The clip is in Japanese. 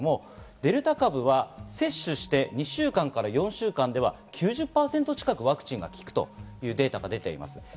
デルタ株は接種して２週間から４週間では９０％近くワクチンが効くというデータが出ています。